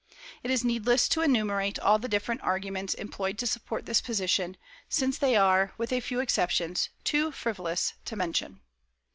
It is needless to enumerate all the different arguments employed to support this position, since they are, with a few exceptions, too frivolous to mention."